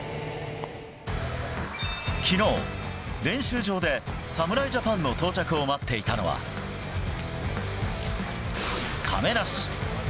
きのう、練習場で侍ジャパンの到着を待っていたのは、亀梨。